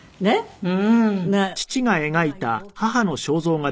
うん。